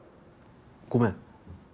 ごめん。